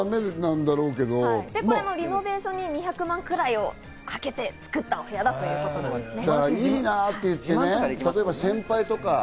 リノベーションに２００万ぐらいかけて作ったお部屋だということなんですね。